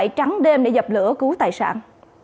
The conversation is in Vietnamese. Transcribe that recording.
đã phải trắng đêm để dập lửa cứu tài sản